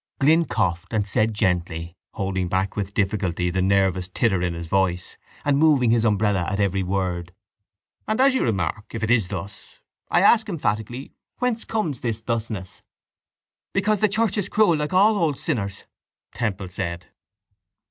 Glynn coughed and said gently, holding back with difficulty the nervous titter in his voice and moving his umbrella at every word: —And, as you remark, if it is thus, I ask emphatically whence comes this thusness. —Because the church is cruel like all old sinners, Temple said.